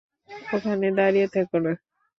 ওখানে দাঁড়িয়ে থেকো না।